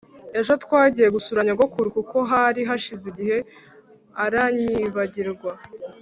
Ejo twagiye gusura nyogokuru kuko hari hashize igihe aranyibagirwa